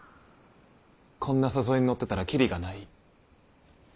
こんな誘いに乗ってたらキリがない。